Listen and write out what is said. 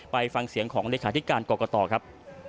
ไปฟังเสียงของเลขาธิการกรกตครับ